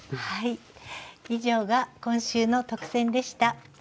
はい以上が今週の特選でした。